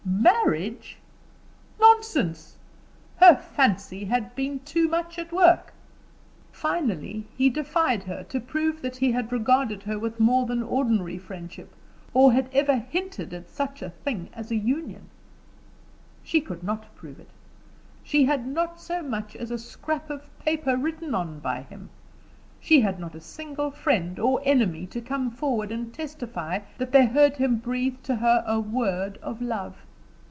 Marriage? Nonsense! Her fancy had been too much at work." Finally, he defied her to prove that he had regarded her with more than ordinary friendship, or had ever hinted at such a thing as a union. She could not prove it. She had not so much as a scrap of paper written on by him; she had not a single friend or enemy to come forward and testify that they heard him breathe to her a word of love.